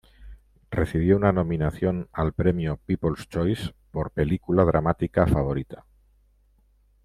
Recibió una nominación al Premio People's Choice por Película dramática favorita.